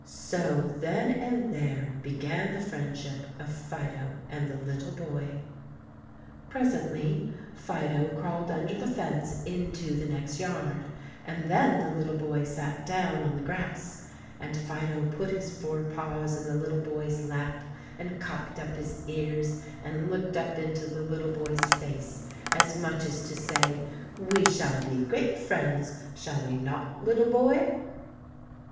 So then and there began the friendship of Fido and the little boy. Presently Fido crawled under the fence into the next yard, and then the little boy sat down on the grass, and Fido put his fore paws in the little boy's lap and cocked up his ears and looked up into the little boy's face, as much as to say, "We shall be great friends, shall we not, little boy?"